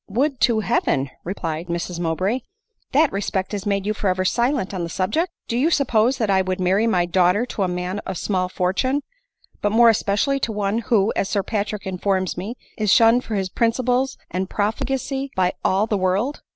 " Would to Heaven !" replied Mrs Mowbray, " that respect had made you forever silent on the subject ! Do you suppose that I would marry my daughter to a man of small fortune — but more especially to one who, as Sir Patrick informs me, is shunned for his priniciples and profligacy by all the world